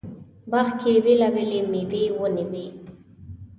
باغ کې بېلابېلې مېوې ونې وې.